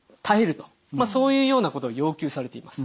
そういうようなことを要求されています。